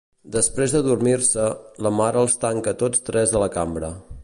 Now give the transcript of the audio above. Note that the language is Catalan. Després d'adormir-se, la mare els tanca tots tres a la cambra.